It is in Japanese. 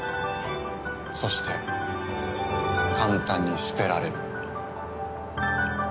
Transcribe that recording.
そして簡単に捨てられる。